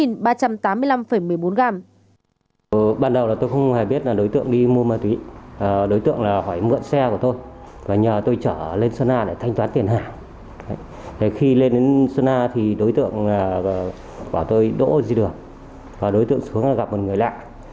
nói chung là đối tượng bảo tôi đỗ đi được và đối tượng xuống là gặp một người lạ